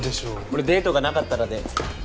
俺デートがなかったらで。